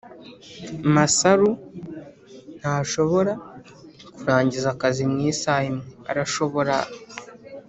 masaru ntashobora kurangiza akazi mu isaha imwe, arashobora?